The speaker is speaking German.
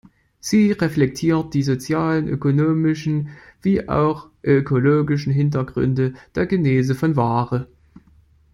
Sie reflektiert die sozialen, ökonomischen wie auch ökologischen Hintergründe der Genese von „Ware“.